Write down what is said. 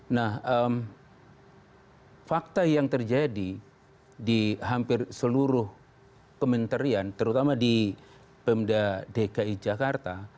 nah fakta yang terjadi di hampir seluruh kementerian terutama di pemda dki jakarta